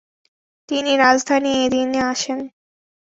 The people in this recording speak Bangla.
তিনি রাজধানী এদির্নে আসেন।